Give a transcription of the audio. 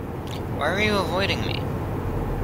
Why are you avoiding me?